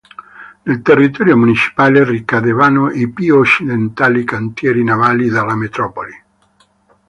Nel territorio municipale ricadevano i più occidentali cantieri navali della metropoli.